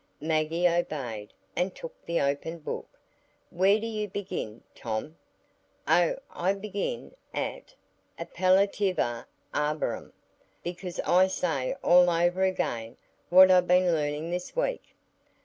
Maggie obeyed, and took the open book. "Where do you begin, Tom?" "Oh, I begin at 'Appellativa arborum,' because I say all over again what I've been learning this week."